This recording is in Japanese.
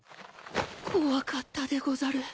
怖かったでござる。